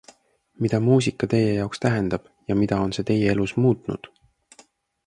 Mida muusika teie jaoks tähendab ja mida on see teie elus muutnud?